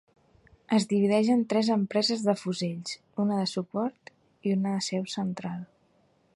Es divideix en tres empreses de fusells, una empresa de suport i una seu central.